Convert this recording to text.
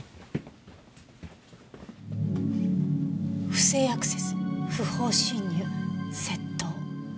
「不正アクセス不法侵入窃盗」。